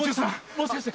もしかして。